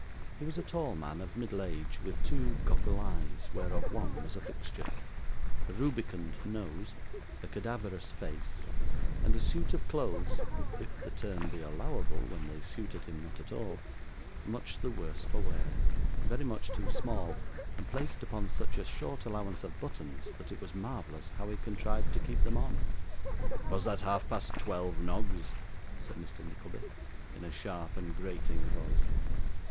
He was a tall man of middle age, with two goggle eyes whereof one was a fixture, a rubicund nose, a cadaverous face, and a suit of clothes (if the term be allowable when they suited him not at all) much the worse for wear, very much too small, and placed upon such a short allowance of buttons that it was marvellous how he contrived to keep them on. 'Was that half past twelve, Noggs?' said Mr. Nickleby, in a sharp and grating voice.